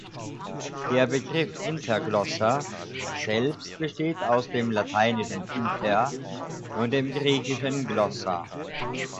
Der Begriff "Inter-Glossa" selbst besteht aus dem lateinischen "Inter" und dem griechischen "Glossa".